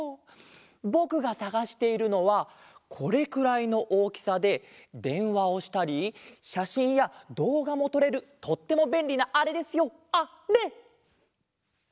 ぼくがさがしているのはこれくらいのおおきさででんわをしたりしゃしんやどうがもとれるとってもべんりなあれですよあれ！